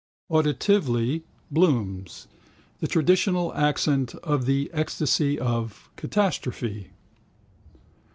Auditively, Bloom's: The traditional accent of the ecstasy of catastrophe.